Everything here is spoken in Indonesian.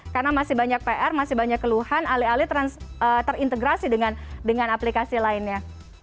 karena masih banyak pr masih banyak keluhan alih alih terintegrasi dengan aplikasi lainnya